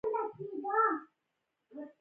پیلوټ د پرواز نقشه مطالعه کوي.